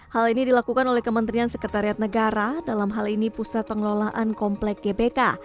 hal ini dilakukan oleh kementerian sekretariat negara dalam hal ini pusat pengelolaan komplek gbk